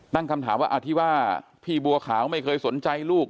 ตั้งคำถามว่าที่ว่าพี่บัวขาวไม่เคยสนใจลูก